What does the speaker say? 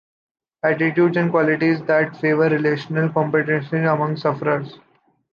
Attitudes and qualities that favor relational competencies among sufferers.